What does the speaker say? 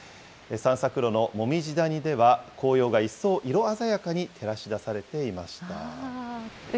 散策路の紅葉谷では、紅葉が一層色鮮やかに照らし出されていました。